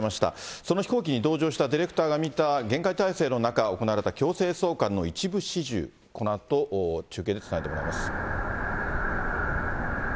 その飛行機に同乗したディレクターが見た厳戒態勢の中、行われた強制送還の一部始終、このあと中継で伝ええもらいます。